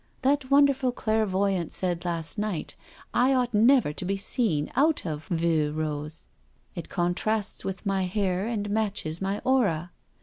That wonderful clairvoyante said last night I ought never to be seen out of ' vieux rose '—it contrasts with my hair and matches my aura.